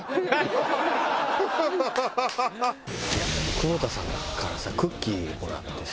久保田さんからさクッキーもらってさ。